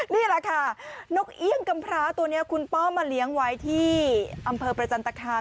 นี่แหละค่ะนกเอี่ยงกำพร้าตัวนี้คุณป้อมาเลี้ยงไว้ที่อำเภอประจันตคาม